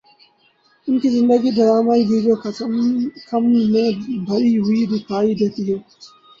ان کی زندگی ڈرامائی پیچ و خم سے بھری ہوئی دکھائی دیتی ہے